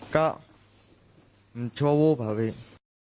ก็ชัวร์วูปครับพี่